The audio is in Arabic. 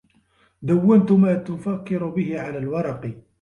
دونت ما تفكر به على الورق.